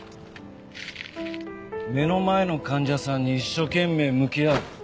目の前の患者さんに一生懸命向き合う。